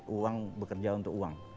uang bekerja untuk uang